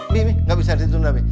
mi mi nggak bisa ditunda mi